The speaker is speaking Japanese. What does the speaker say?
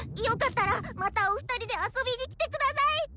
よかったらまたお二人で遊びに来て下さい！